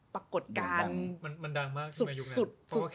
ปรากฏการณ์สุด